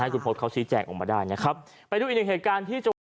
คุณพศเขาชี้แจงออกมาได้นะครับไปดูอีกหนึ่งเหตุการณ์ที่จังหวัด